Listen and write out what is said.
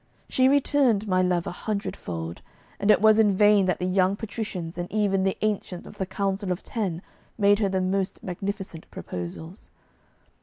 She returned my love a hundred fold, and it was in vain that the young patricians and even the Ancients of the Council of Ten made her the most magnificent proposals.